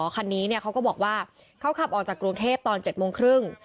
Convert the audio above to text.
คันนี้เขาก็บอกว่าเขาขับออกจากกรุงเทพตอน๗โมงครึ่ง